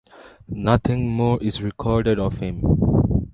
Nothing more is recorded of him.